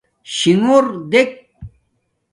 شِݣݸر دݵک.